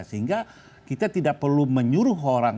sehingga kita tidak perlu menyuruh orang